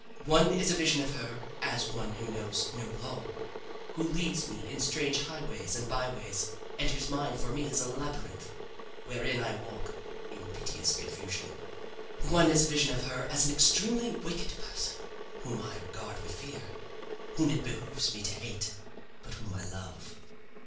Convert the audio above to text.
One is a vision of her as one who knows no law, who leads me in strange highways and byways, and whose mind for me is a labyrinth wherein I walk in piteous confusion. One is a vision of her as an extremely wicked person whom I regard with fear, whom it behooves me to hate, but whom I love.